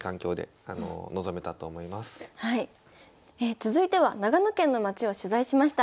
続いては長野県の町を取材しました。